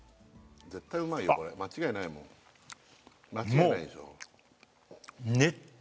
絶対うまいよこれ間違いないもん間違いないでしょああ